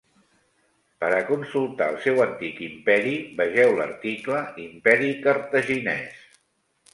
Per a consultar el seu antic imperi, vegeu l'article Imperi cartaginès.